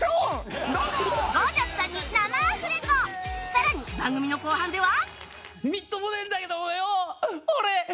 更に番組の後半では